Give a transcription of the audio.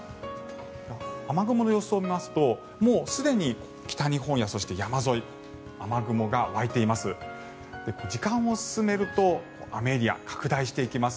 雨雲の様子を見ますともうすでに、北日本や山沿い雨雲が湧いています。